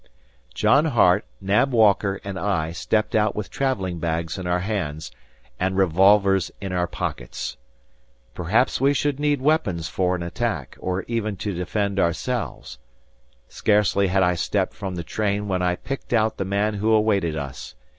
John Hart, Nab Walker and I stepped out with traveling bags in our hands, and revolvers in our pockets. Perhaps we should need weapons for an attack, or even to defend ourselves. Scarcely had I stepped from the train when I picked out the man who awaited us.